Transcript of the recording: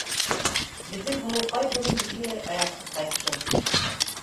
Беҙҙең һылыуҡай бөгөн бөтөнләй аяҡһыҙ ҡайтты.